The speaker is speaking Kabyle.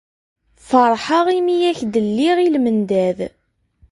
Feṛḥeɣ imi ay ak-d-lliɣ i lmendad.